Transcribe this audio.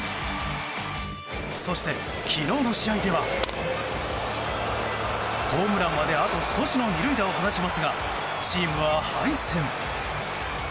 そして、昨日の試合ではホームランまであと少しの２塁打を放ちますがチームは敗戦。